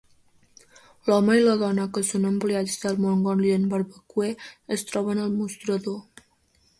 L'home i la dona que són empleats de Mongolian Barbecue es troben al mostrador.